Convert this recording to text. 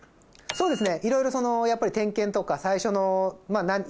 そうですね。